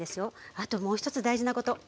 あともう一つ大事なこと。